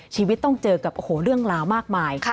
ชีวิตต้องเจอกับโอ้โหเรื่องราวมากมาย